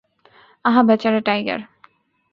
আহা, বেচারা টাইগার!